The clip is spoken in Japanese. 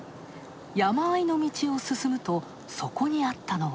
山あいの道を進むと、そこにあったのは。